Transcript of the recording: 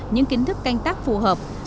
những kiến thức canh tác phù hợp